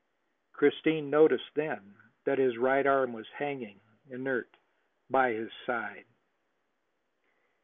Christine noticed then that his right arm was hanging inert by his side.